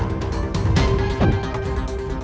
aku tidak bisa membayangkan